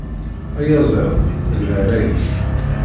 Ayaziḍ, deg leɛnaya-k.